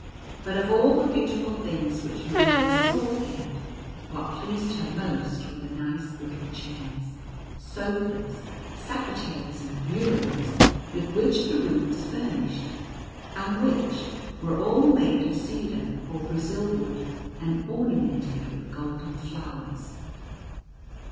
But of all the beautiful things which Maria saw here, what pleased her most were the nice little chairs, sofas, secretaries, and bureaus, with which the room was furnished, and which were all made of cedar or Brazil wood, and ornamented with golden flowers.